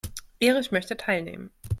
Erich möchte teilnehmen.